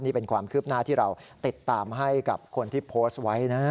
นี่เป็นความคืบหน้าที่เราติดตามให้กับคนที่โพสต์ไว้นะ